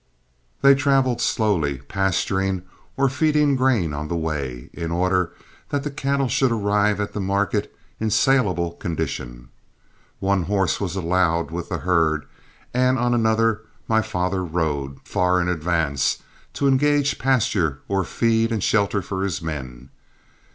They traveled slowly, pasturing or feeding grain on the way, in order that the cattle should arrive at the market in salable condition. One horse was allowed with the herd, and on another my father rode, far in advance, to engage pasture or feed and shelter for his men.